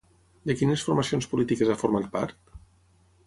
De quines formacions polítiques ha format part?